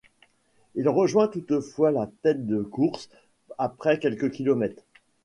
Il rejoint toutefois la tête de course après quelques kilomètres.